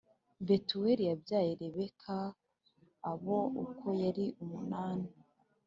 Betuweli yabyaye Rebeka Abo uko ari umunani